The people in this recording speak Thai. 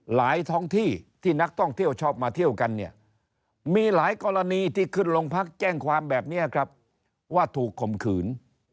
ท้องที่ที่นักท่องเที่ยวชอบมาเที่ยวกันเนี่ยมีหลายกรณีที่ขึ้นโรงพักแจ้งความแบบนี้ครับว่าถูกข่มขืน